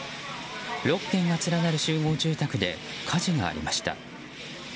６軒が連なる集合住宅で火事がありました。